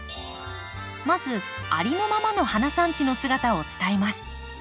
まずありのままの花産地の姿を伝えます。